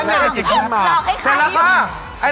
เพื่อให้หัวใจต้องลงมาถึงชั้นล่างสุด